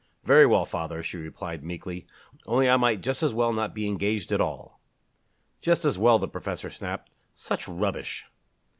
"Very well, father," she replied meekly, "only I might just as well not be engaged at all." "Just as well!" the professor snapped. "Such rubbish!"